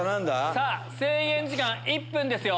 さぁ制限時間１分ですよ。